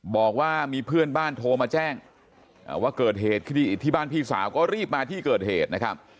บอกว่ามีเพื่อนบ้านโทรมาแจ้งว่าเกิดเหตุคดีอีกที่บ้านพี่สาวก็รีบมาที่เกิดเหตุนะครับ